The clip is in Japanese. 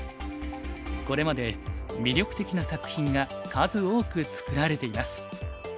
これまで魅力的な作品が数多くつくられています。